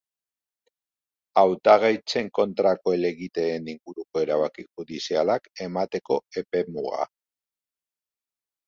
Hautagaitzen kontrako helegiteen inguruko erabaki judizialak emateko epemuga.